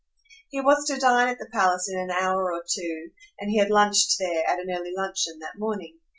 He was to dine at the palace in an hour or two, and he had lunched there, at an early luncheon, that morning.